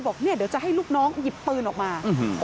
เดี๋ยวจะให้ลูกน้องหยิบปืนออกมา